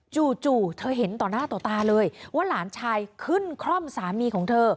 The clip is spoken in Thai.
จู่เธอเห็นต่อหน้าต่อตาเลยว่าหลานชายขึ้นคร่อมสามีของเธอ